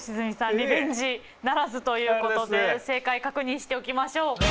リベンジならずということで正解確認しておきましょう。